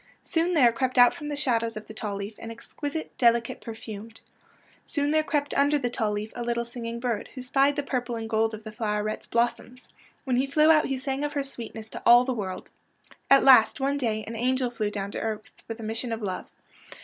Soon there crept out from the shadows of the tall leaf an exquisite, delicate perfume. Soon there crept mider the tall leaf a little singing bird, who spied the purple and gold of the floweret's blossoms. When he flew out he sang of her sweetness to all the world. At last, one day, an angel flew down to earth with a mission of love.